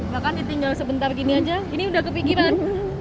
bahkan ditinggal sebentar gini aja ini udah kepikiran